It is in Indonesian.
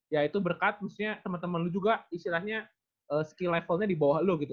ya itu berkat temen temen lu juga istilahnya skill levelnya dibawah lu gitu